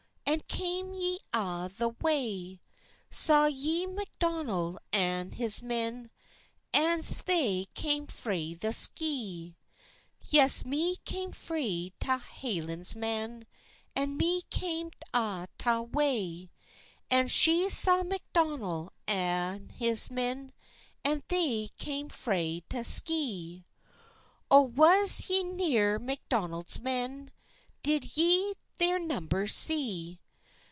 And cam ye a' the wey? Saw ye Macdonell an his men, As they cam frae the Skee?" "Yes, me cam frae ta Hielans, man, An me cam a ta wey, An she saw Macdonell an his men, As they cam frae ta Skee." "Oh, was ye near Macdonell's men? Did ye their numbers see?